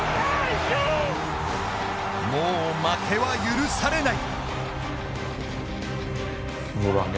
もう負けは許されない。